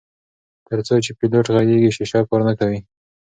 تر څو چې پیلوټ غږیږي شیشه کار نه کوي.